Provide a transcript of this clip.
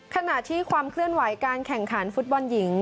ขณะที่ความเคลื่อนไหวการแข่งขันฟุตบอลหญิง